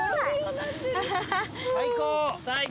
最高。